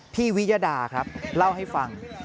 วิยดาครับเล่าให้ฟัง